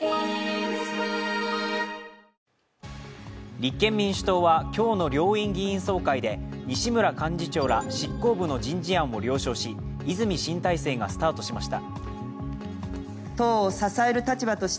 立憲民主党は今日の両院議員総会で西村幹事長ら執行部の人事案を了承し泉新体制がスタートしました。